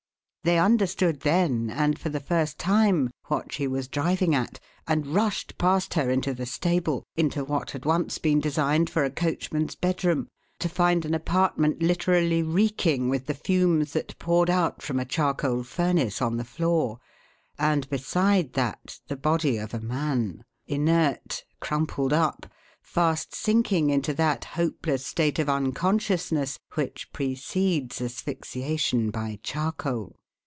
They understood then, and for the first time, what she was driving at, and rushed past her into the stable into what had once been designed for a coachman's bedroom to find an apartment literally reeking with the fumes that poured out from a charcoal furnace on the floor, and beside that the body of a man inert, crumpled up, fast sinking into that hopeless state of unconsciousness which precedes asphyxiation by charcoal.